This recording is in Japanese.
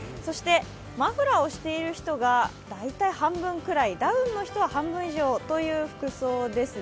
マフラーをしている人が大体半分くらい、ダウンの人は半分以上という服装ですね。